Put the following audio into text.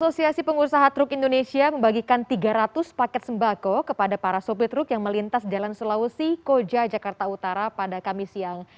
asosiasi pengusaha truk indonesia membagikan tiga ratus paket sembako kepada para sopir truk yang melintas jalan sulawesi koja jakarta utara pada kamis siang